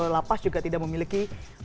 lapas juga tidak memiliki